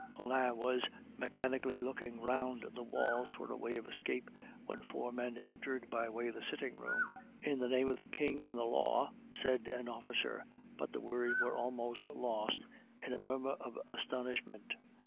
Collin was mechanically looking round the walls for a way of escape, when four men entered by way of the sitting room. "In the name of the King and the Law!" said an officer, but the words were almost lost in a murmur of astonishment.